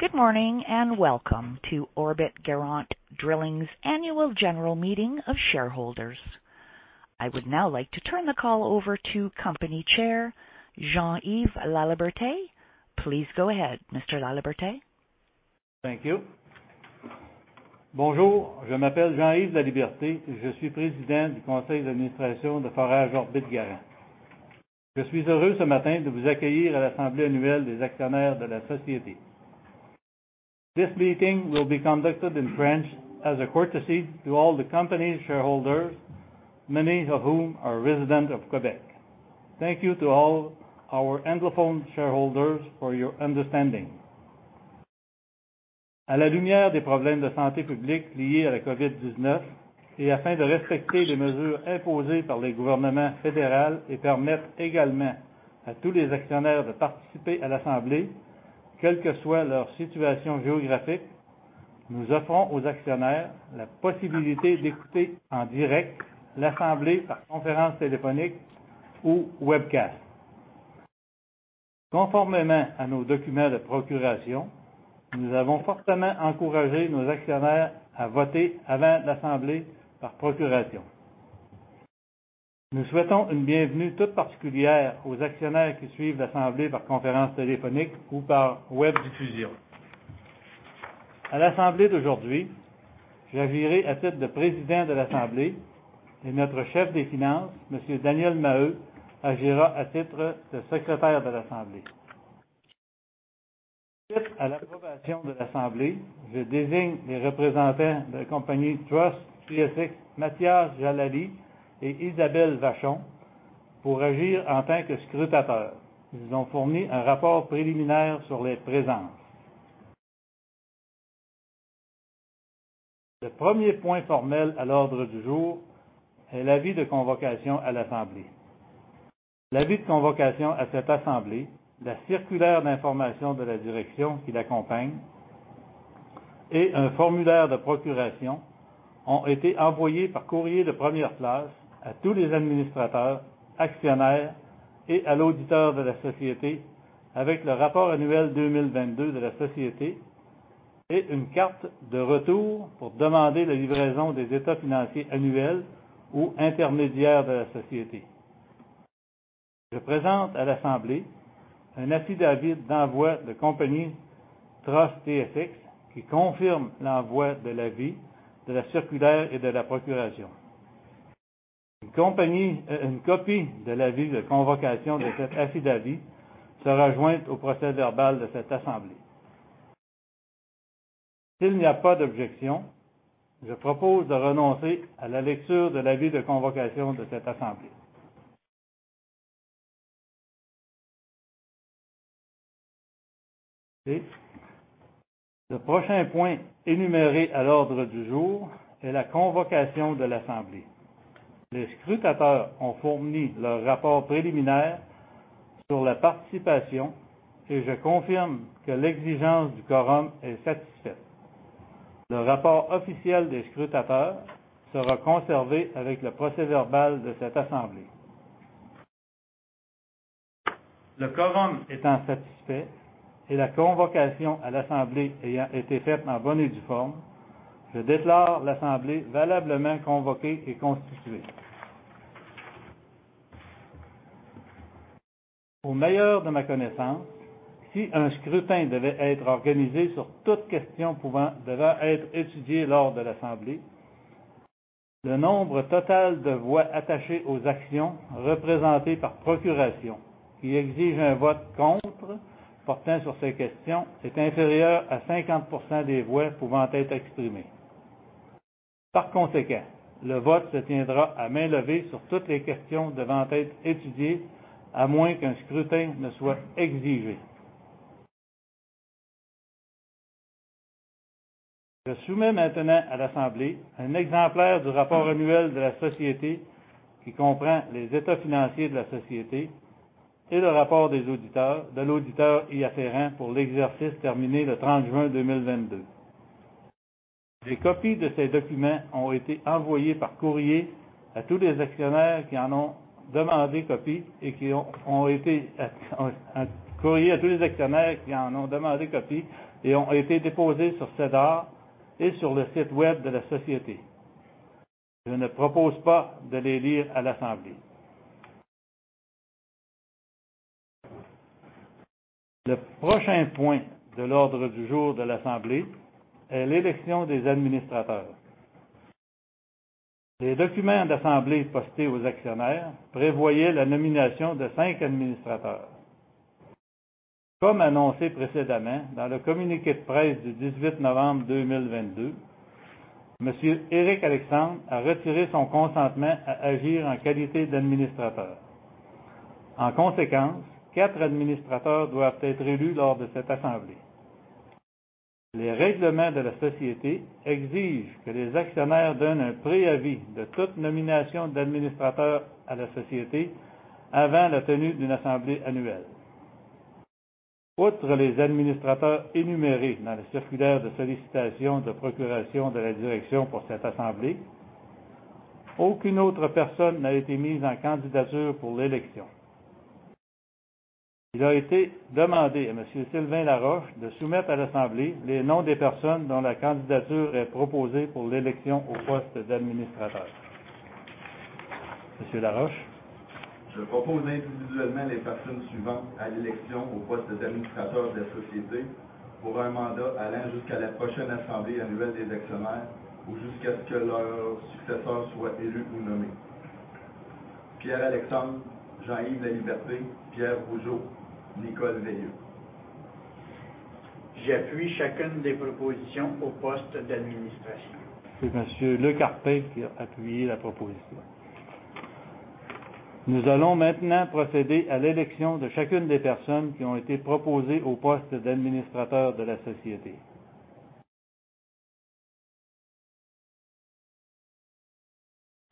Good morning and welcome to Orbit Garant Drilling's annual general meeting of shareholders. I would now like to turn the call over to Company Chair Jean-Yves Laliberté. Please go ahead, Mr. Laliberté. Thank you. Bonjour, je m'appelle Jean-Yves Laliberté. Je suis président du conseil d'administration de Forage Orbit Garant. Je suis heureux ce matin de vous accueillir à l'assemblée annuelle des actionnaires de la société. This meeting will be conducted in French as a courtesy to all the company's shareholders, many of whom are residents of Québec. Thank you to all our anglophone shareholders for your understanding. À la lumière des problèmes de santé publique liés à la COVID-19 et afin de respecter les mesures imposées par les gouvernements fédéraux et permettre également à tous les actionnaires de participer à l'assemblée, quelle que soit leur situation géographique, nous offrons aux actionnaires la possibilité d'écouter en direct l'assemblée par conférence téléphonique ou webcast. Conformément à nos documents de procuration, nous avons fortement encouragé nos actionnaires à voter avant l'assemblée par procuration. Nous souhaitons une bienvenue toute particulière aux actionnaires qui suivent l'assemblée par conférence téléphonique ou par webdiffusion. À l'assemblée d'aujourd'hui, j'agirai à titre de président de l'assemblée et notre Chef des finances, monsieur Daniel Maheu, agira à titre de Secrétaire de l'assemblée. Suite à l'approbation de l'assemblée, je désigne les représentants de la TSX Trust Company, Mathias Jalali et Isabelle Vachon, pour agir en tant que scrutateurs. Ils ont fourni un rapport préliminaire sur les présences. Le premier point formel à l'ordre du jour est l'avis de convocation à l'assemblée. L'avis de convocation à cette assemblée, la circulaire d'information de la direction qui l'accompagne et un formulaire de procuration ont été envoyés par courrier de première classe à tous les administrateurs, actionnaires et à l'auditeur de la société avec le rapport annuel 2022 de la société et une carte de retour pour demander la livraison des états financiers annuels ou intermédiaires de la société. Je présente à l'assemblée un affidavit d'envoi de TSX Trust Company qui confirme l'envoi de l'avis de la circulaire et de la procuration. Une copie de l'avis de convocation de cet affidavit sera jointe au procès-verbal de cette assemblée. S'il n'y a pas d'objection, je propose de renoncer à la lecture de l'avis de convocation de cette assemblée. Le prochain point énuméré à l'ordre du jour est la convocation de l'assemblée. Les scrutateurs ont fourni leur rapport préliminaire sur la participation et je confirme que l'exigence du quorum est satisfaite. Le rapport officiel des scrutateurs sera conservé avec le procès-verbal de cette assemblée. Le quorum étant satisfait et la convocation à l'assemblée ayant été faite en bonne et due forme, je déclare l'assemblée valablement convoquée et constituée. Au meilleur de ma connaissance, si un scrutin devait être organisé sur toute question devant être étudiée lors de l'assemblée, le nombre total de voix attachées aux actions représentées par procuration qui exige un vote contre portant sur ces questions est inférieur à 50% des voix pouvant être exprimées. Par conséquent, le vote se tiendra à main levée sur toutes les questions devant être étudiées, à moins qu'un scrutin ne soit exigé. Je soumets maintenant à l'assemblée un exemplaire du rapport annuel de la société qui comprend les états financiers de la société et le rapport des auditeurs, de l'auditeur y afférent pour l'exercice terminé le 30 juin 2022. Des copies de ces documents ont été envoyées par courrier à tous les actionnaires qui en ont demandé copie et ont été déposés sur SEDAR et sur le site Web de la société. Je ne propose pas de les lire à l'assemblée. Le prochain point de l'ordre du jour de l'assemblée est l'élection des administrateurs. Les documents d'assemblée postés aux actionnaires prévoyaient la nomination de cinq administrateurs. Comme annoncé précédemment dans le communiqué de presse du 18 novembre 2022, monsieur Éric Alexandre a retiré son consentement à agir en qualité d'administrateur. En conséquence, 4 administrateurs doivent être élus lors de cette assemblée. Les règlements de la société exigent que les actionnaires donnent un préavis de toute nomination d'administrateur à la société avant la tenue d'une assemblée annuelle. Outre les administrateurs énumérés dans la circulaire de sollicitation de procuration de la direction pour cette assemblée. Aucune autre personne n'a été mise en candidature pour l'élection. Il a été demandé à monsieur Sylvain Laroche de soumettre à l'assemblée les noms des personnes dont la candidature est proposée pour l'élection au poste d'administrateur. Monsieur Laroche. Je propose individuellement les personnes suivantes à l'élection au poste d'administrateur de la société pour un mandat allant jusqu'à la prochaine assemblée annuelle des actionnaires ou jusqu'à ce que leur successeur soit élu ou nommé: Pierre Alexandre, Jean-Yves Laliberté, Pierre Rougeau, Nicole Veilleux. J'appuie chacune des propositions au poste d'administration. C'est monsieur Lecarpentier qui a appuyé la proposition. Nous allons maintenant procéder à l'élection de chacune des personnes qui ont été proposées au poste d'administrateur de la société.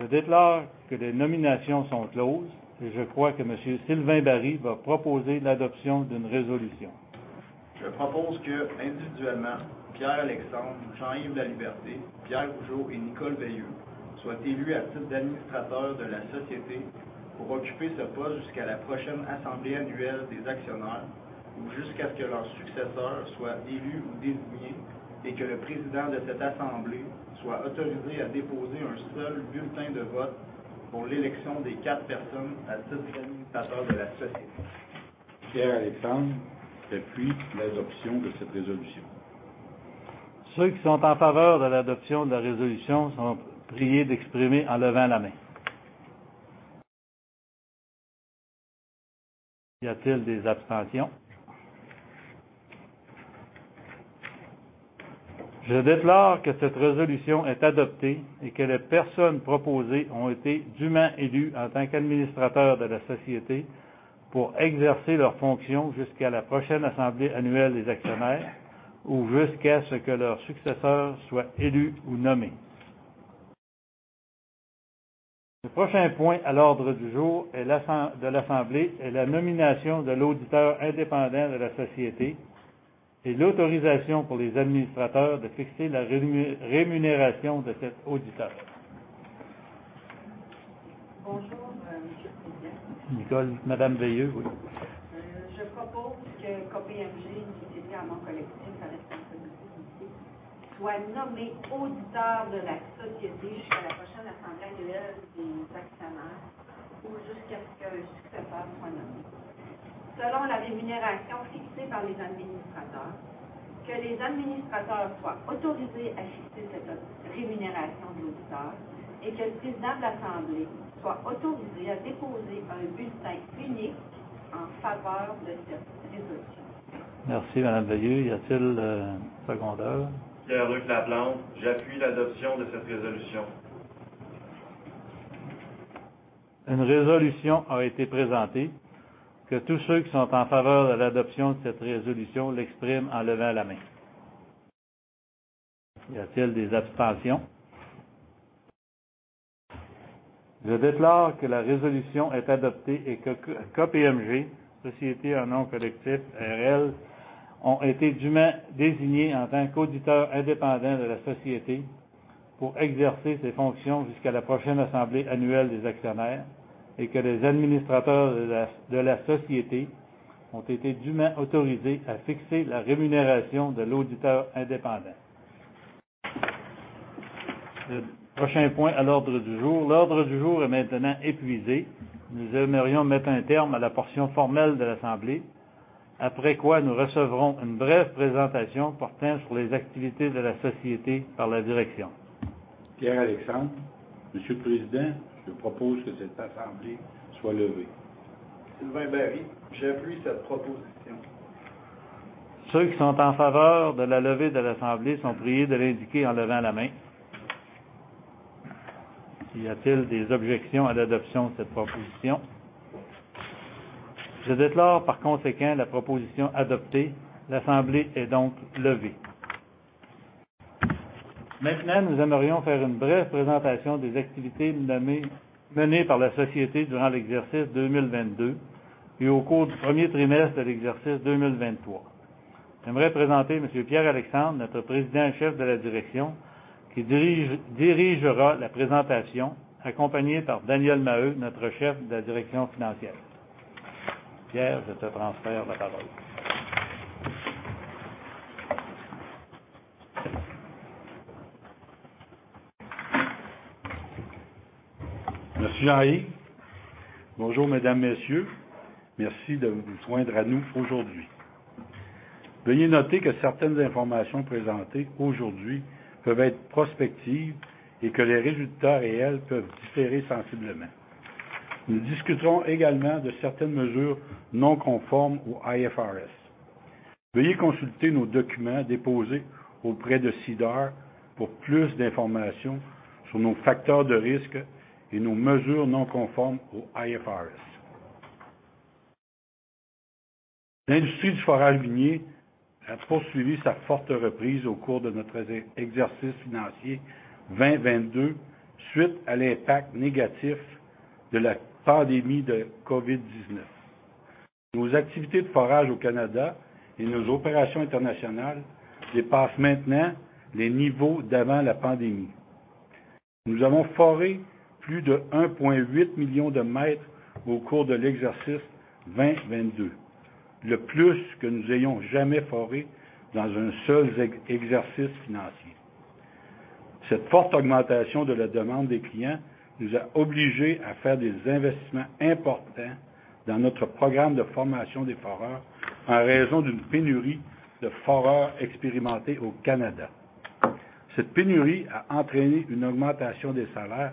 Je déclare que les nominations sont closes et je crois que monsieur Sylvain Baril va proposer l'adoption d'une résolution. Je propose que, individuellement, Pierre Alexandre, Jean-Yves Laliberté, Pierre Rougeau et Nicole Veilleux soient élus à titre d'administrateurs de la société pour occuper ce poste jusqu'à la prochaine assemblée annuelle des actionnaires ou jusqu'à ce que leur successeur soit élu ou désigné et que le président de cette assemblée soit autorisé à déposer un seul bulletin de vote pour l'élection des quatre personnes à titre d'administrateurs de la société. Pierre Alexandre appuie l'adoption de cette résolution. Ceux qui sont en faveur de l'adoption de la résolution sont priés d'exprimer en levant la main. Y a-t-il des abstentions? Je déclare que cette résolution est adoptée et que les personnes proposées ont été dûment élues en tant qu'administrateurs de la société pour exercer leurs fonctions jusqu'à la prochaine assemblée annuelle des actionnaires ou jusqu'à ce que leur successeur soit élu ou nommé. Le prochain point à l'ordre du jour de l'assemblée est la nomination de l'auditeur indépendant de la société et l'autorisation pour les administrateurs de fixer la rémunération de cet auditeur. Bonjour, monsieur le Président. Nicole. Madame Veilleux, oui. Je propose que KPMG, société en nom collectif avec responsabilité limitée, soit nommée auditeur de la société jusqu'à la prochaine assemblée annuelle des actionnaires ou jusqu'à ce qu'un successeur soit nommé, selon la rémunération fixée par les administrateurs, que les administrateurs soient autorisés à fixer cette rémunération de l'auditeur et que le président de l'assemblée soit autorisé à déposer un bulletin unique en faveur de cette résolution. Merci, madame Veilleux. Y a-t-il un seconder? Pier-Luc Laplante. J'appuie l'adoption de cette résolution. Une résolution a été présentée. Que tous ceux qui sont en faveur de l'adoption de cette résolution l'expriment en levant la main. Y a-t-il des abstentions? Je déclare que la résolution est adoptée et que KPMG, société en nom collectif R.L., ont été dûment désignés en tant qu'auditeur indépendant de la société pour exercer ses fonctions jusqu'à la prochaine assemblée annuelle des actionnaires et que les administrateurs de la société ont été dûment autorisés à fixer la rémunération de l'auditeur indépendant. Le prochain point à l'ordre du jour. L'ordre du jour est maintenant épuisé. Nous aimerions mettre un terme à la portion formelle de l'assemblée, après quoi nous recevrons une brève présentation portant sur les activités de la société par la direction. Pierre Alexandre. Monsieur le Président, je propose que cette assemblée soit levée. Sylvain Baril. J'appuie cette proposition. Ceux qui sont en faveur de la levée de l'assemblée sont priés de l'indiquer en levant la main. Y a-t-il des objections à l'adoption de cette proposition? Je déclare par conséquent la proposition adoptée. L'assemblée est donc levée. Maintenant, nous aimerions faire une brève présentation des activités menées par la société durant l'exercice 2022 et au cours du premier trimestre de l'exercice 2023. J'aimerais présenter monsieur Pierre Alexandre, notre Président et Chef de la direction, qui dirigera la présentation accompagné par Daniel Maheu, notre Chef de la direction financière. Pierre, je te transfère la parole. Monsieur Jean-Yves. Bonjour, mesdames, messieurs. Merci de vous joindre à nous aujourd'hui. Veuillez noter que certaines informations présentées aujourd'hui peuvent être prospectives et que les résultats réels peuvent différer sensiblement. Nous discuterons également de certaines mesures non conformes aux IFRS. Veuillez consulter nos documents déposés auprès de SEDAR pour plus d'informations sur nos facteurs de risque et nos mesures non conformes aux IFRS. L'industrie du forage minier a poursuivi sa forte reprise au cours de notre exercice financier 2022, suite à l'impact négatif de la pandémie de COVID-19. Nos activités de forage au Canada et nos opérations internationales dépassent maintenant les niveaux d'avant la pandémie. Nous avons foré plus de 1.8 million de mètres au cours de l'exercice 2022, le plus que nous ayons jamais foré dans un seul exercice financier. Cette forte augmentation de la demande des clients nous a obligés à faire des investissements importants dans notre programme de formation des foreurs en raison d'une pénurie de foreurs expérimentés au Canada. Cette pénurie a entraîné une augmentation des salaires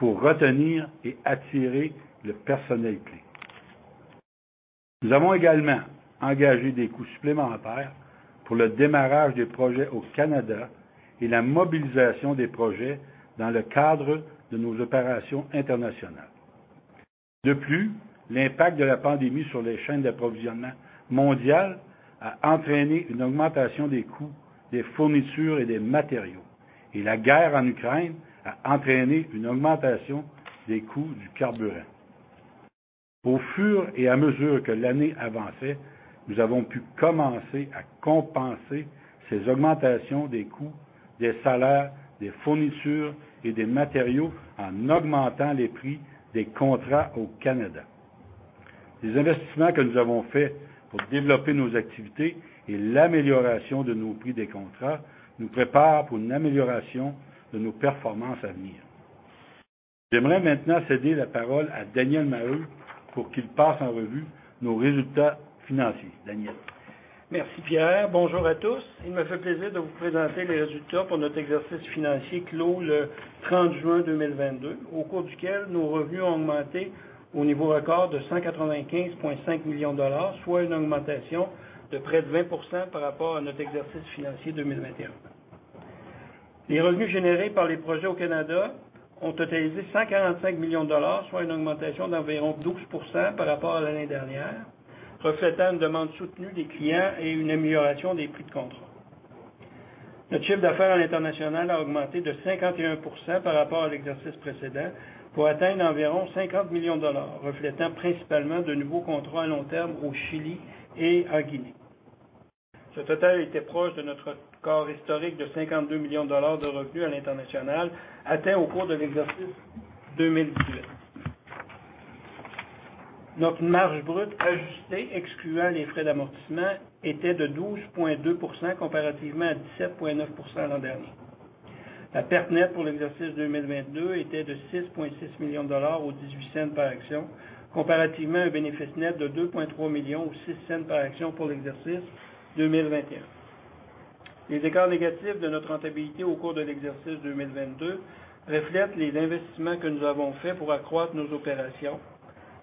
pour retenir et attirer le personnel clé. Nous avons également engagé des coûts supplémentaires pour le démarrage des projets au Canada et la mobilisation des projets dans le cadre de nos opérations internationales. De plus, l'impact de la pandémie sur les chaînes d'approvisionnement mondiales a entraîné une augmentation des coûts, des fournitures et des matériaux et la guerre en Ukraine a entraîné une augmentation des coûts du carburant. Au fur et à mesure que l'année avançait, nous avons pu commencer à compenser ces augmentations des coûts, des salaires, des fournitures et des matériaux en augmentant les prix des contrats au Canada. Les investissements que nous avons faits pour développer nos activités et l'amélioration de nos prix des contrats nous préparent pour une amélioration de nos performances à venir. J'aimerais maintenant céder la parole à Daniel Maheu pour qu'il passe en revue nos résultats financiers. Daniel. Merci Pierre. Bonjour à tous. Il me fait plaisir de vous présenter les résultats pour notre exercice financier clos le June 30, 2022, au cours duquel nos revenus ont augmenté au niveau record de 195.5 million dollars, soit une augmentation de près de 20% par rapport à notre exercice financier 2021. Les revenus générés par les projets au Canada ont totalisé 145 million dollars, soit une augmentation d'environ 12% par rapport à l'année dernière, reflétant une demande soutenue des clients et une amélioration des prix de contrat. Notre chiffre d'affaires à l'international a augmenté de 51% par rapport à l'exercice précédent pour atteindre environ 50 million dollars, reflétant principalement de nouveaux contrats à long terme au Chili et en Guinée. Ce total était proche de notre record historique de 52 million dollars de revenus à l'international, atteint au cours de l'exercice 2018. Notre marge brute ajustée excluant les frais d'amortissement était de 12.2% comparativement à 17.9% l'an dernier. La perte nette pour l'exercice 2022 était de 6.6 million dollars ou 0.18 par action, comparativement à un bénéfice net de 2.3 million ou 0.06 par action pour l'exercice 2021. Les écarts négatifs de notre rentabilité au cours de l'exercice 2022 reflètent les investissements que nous avons faits pour accroître nos opérations,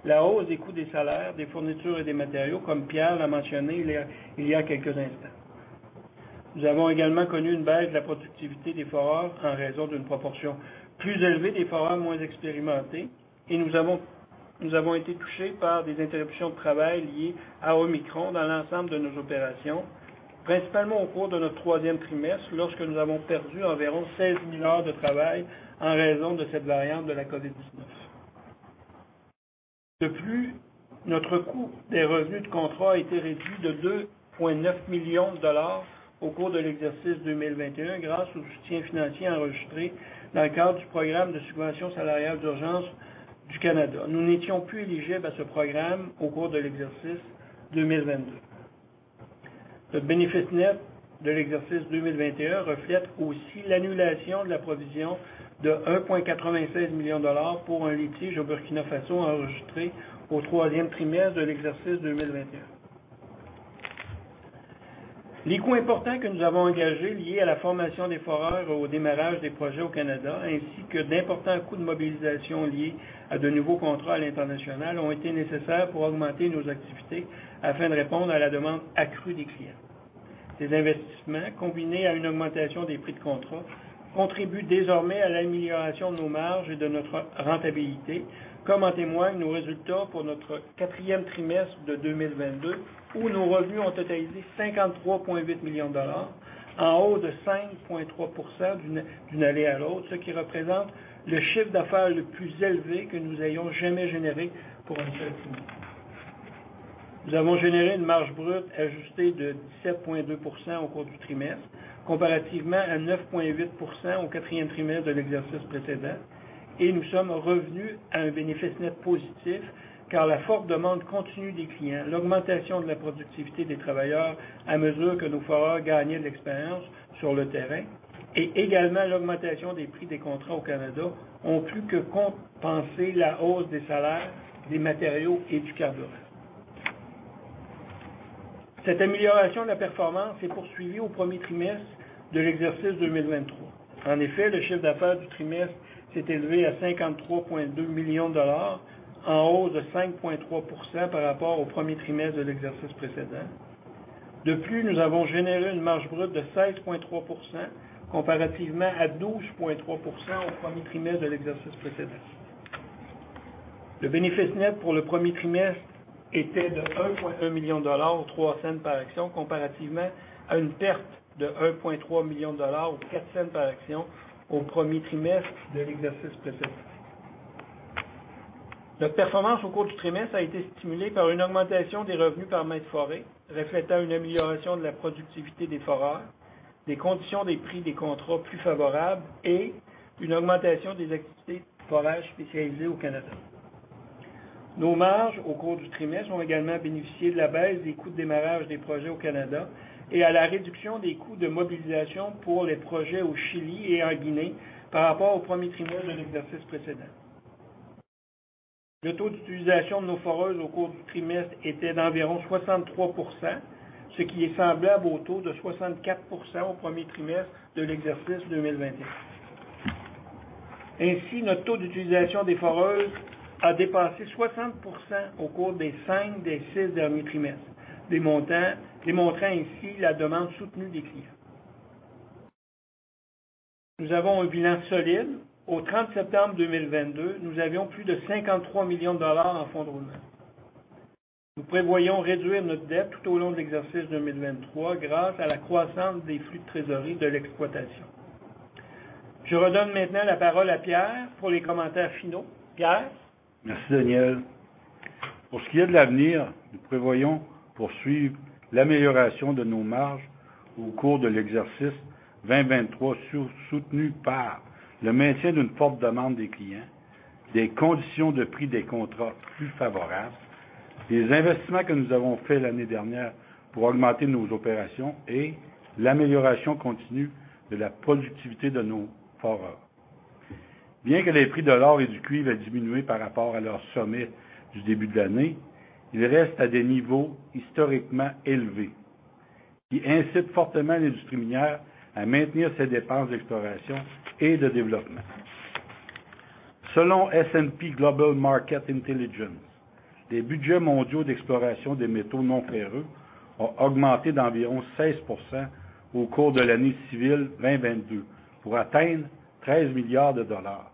la hausse des coûts des salaires, des fournitures et des matériaux, comme Pierre l'a mentionné il y a quelques instants. Nous avons également connu une baisse de la productivité des foreurs en raison d'une proportion plus élevée des foreurs moins expérimentés. Nous avons été touchés par des interruptions de travail liées à Omicron dans l'ensemble de nos opérations, principalement au cours de notre troisième trimestre, lorsque nous avons perdu environ 16,000 heures de travail en raison de cette variante de la COVID-19. De plus, notre coût des revenus de contrat a été réduit de 2.9 million dollars au cours de l'exercice 2021, grâce au soutien financier enregistré dans le cadre du Programme de subvention salariale d'urgence du Canada. Nous n'étions plus éligibles à ce programme au cours de l'exercice 2022. Le bénéfice net de l'exercice 2021 reflète aussi l'annulation de la provision de 1.96 million dollars pour un litige au Burkina Faso enregistré au troisième trimestre de l'exercice 2021. Les coûts importants que nous avons engagés liés à la formation des foreurs et au démarrage des projets au Canada ainsi que d'importants coûts de mobilisation liés à de nouveaux contrats à l'international ont été nécessaires pour augmenter nos activités afin de répondre à la demande accrue des clients. Ces investissements, combinés à une augmentation des prix de contrat, contribuent désormais à l'amélioration de nos marges et de notre rentabilité, comme en témoignent nos résultats pour notre quatrième trimestre de 2022, où nos revenus ont totalisé 53.8 million dollars, en hausse de 5.3% d'une année à l'autre, ce qui représente le chiffre d'affaires le plus élevé que nous ayons jamais généré pour un seul trimestre. Nous avons généré une marge brute ajustée de 17.2% au cours du trimestre, comparativement à 9.8% au quatrième trimestre de l'exercice précédent. Nous sommes revenus à un bénéfice net positif, car la forte demande continue des clients, l'augmentation de la productivité des travailleurs à mesure que nos foreurs gagnaient de l'expérience sur le terrain et également l'augmentation des prix des contrats au Canada ont pu compenser la hausse des salaires, des matériaux et du carburant. Cette amélioration de la performance s'est poursuivie au premier trimestre de l'exercice 2023. Le chiffre d'affaires du trimestre s'est élevé à 53.2 million dollars, en hausse de 5.3% par rapport au premier trimestre de l'exercice précédent. Nous avons généré une marge brute de 16.3%, comparativement à 12.3% au premier trimestre de l'exercice précédent. Le bénéfice net pour le 1er trimestre était de 1.1 million dollars ou CAD 0.03 par action, comparativement à une perte de 1.3 million dollars ou CAD 0.04 par action au 1er trimestre de l'exercice précédent. Notre performance au cours du trimestre a été stimulée par une augmentation des revenus par mètre foré, reflétant une amélioration de la productivité des foreurs, des conditions des prix des contrats plus favorables et une augmentation des activités de forage spécialisées au Canada. Nos marges au cours du trimestre ont également bénéficié de la baisse des coûts de démarrage des projets au Canada et à la réduction des coûts de mobilisation pour les projets au Chili et en Guinée par rapport au 1er trimestre de l'exercice précédent. Le taux d'utilisation de nos foreuses au cours du trimestre était d'environ 63%, ce qui est semblable au taux de 64% au premier trimestre de l'exercice 2021. Ainsi, notre taux d'utilisation des foreuses a dépassé 60% au cours des 5 des 6 derniers trimestres, démontrant ainsi la demande soutenue des clients. Nous avons un bilan solide. Au 30 septembre 2022, nous avions plus de 53 million dollars en fonds de roulement. Nous prévoyons réduire notre dette tout au long de l'exercice 2023 grâce à la croissance des flux de trésorerie de l'exploitation. Je redonne maintenant la parole à Pierre pour les commentaires finaux. Pierre. Merci Daniel. Pour ce qui est de l'avenir, nous prévoyons poursuivre l'amélioration de nos marges au cours de l'exercice 2023, soutenu par le maintien d'une forte demande des clients, des conditions de prix des contrats plus favorables, des investissements que nous avons faits l'année dernière pour augmenter nos opérations et l'amélioration continue de la productivité de nos foreurs. Bien que les prix de l'or et du cuivre aient diminué par rapport à leur sommet du début de l'année, ils restent à des niveaux historiquement élevés, qui incitent fortement l'industrie minière à maintenir ses dépenses d'exploration et de développement. Selon S&P Global Market Intelligence, les budgets mondiaux d'exploration des métaux non ferreux ont augmenté d'environ 16% au cours de l'année civile 2022 pour atteindre 13 billion dollars,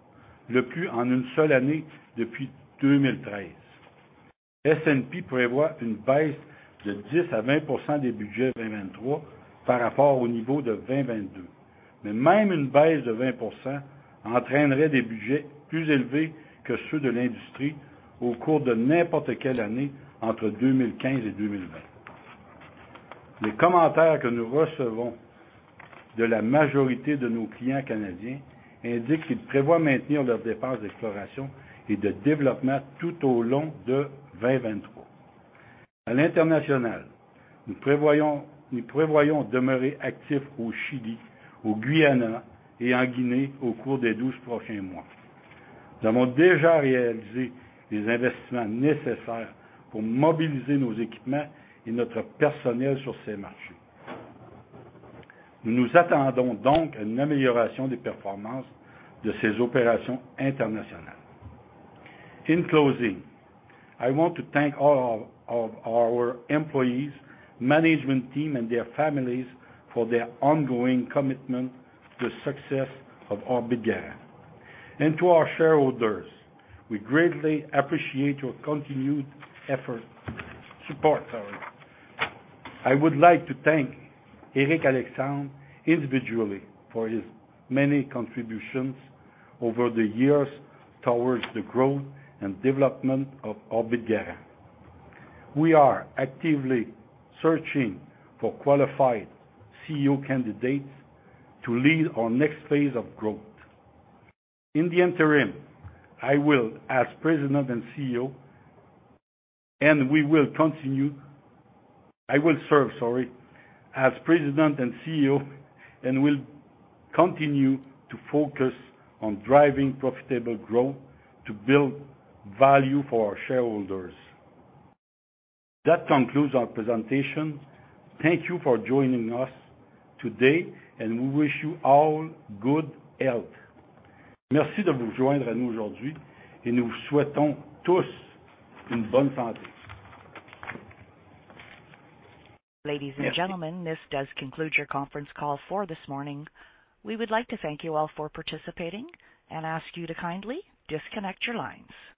le plus en une seule année depuis 2013. S&P prévoit une baisse de 10%-20% des budgets 2023 par rapport au niveau de 2022. Même une baisse de 20% entraînerait des budgets plus élevés que ceux de l'industrie au cours de n'importe quelle année entre 2015 et 2020. Les commentaires que nous recevons de la majorité de nos clients canadiens indiquent qu'ils prévoient maintenir leurs dépenses d'exploration et de développement tout au long de 2023. À l'international, nous prévoyons demeurer actifs au Chili, au Guyana et en Guinée au cours des 12 prochains mois. Nous avons déjà réalisé les investissements nécessaires pour mobiliser nos équipements et notre personnel sur ces marchés. Nous nous attendons donc à une amélioration des performances de ces opérations internationales. In closing, I want to thank all of our employees, management team and their families for their ongoing commitment to success of Orbit Garant. To our shareholders, we greatly appreciate your continued support, sorry. I would like to thank Éric Alexandre individually for his many contributions over the years towards the growth and development of Orbit Garant. We are actively searching for qualified CEO candidates to lead our next phase of growth. In the interim, I will serve, sorry, as President and CEO and will continue to focus on driving profitable growth to build value for our shareholders. That concludes our presentation. Thank you for joining us today and we wish you all good health. Merci de vous joindre à nous aujourd'hui et nous vous souhaitons tous une bonne santé. Ladies and gentlemen, this does conclude your conference call for this morning. We would like to thank you all for participating and ask you to kindly disconnect your lines.